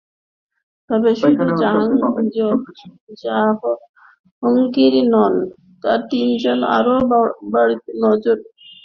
তবে শুধু জাহোঙ্গীরই নন, আরও তিনজনের ওপরও বাড়তি নজর রাখবেন ফুটবলাররা।